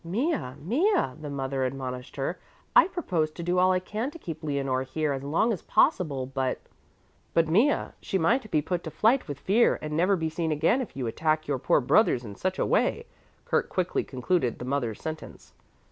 "Mea, Mea," the mother admonished her, "I propose to do all I can to keep Leonore here as long as possible, but " "But, Mea, she might be put to flight with fear and never be seen again if you attack your poor brothers in such a way," Kurt quickly concluded the mother's sentence.